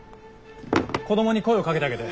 子供に声をかけてあげて。